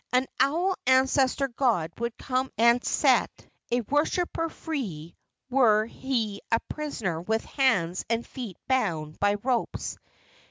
An owl ancestor god would come and set a worshipper free were he a prisoner with hands and feet bound by ropes.